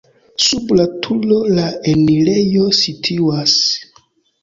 Sub la turo la enirejo situas.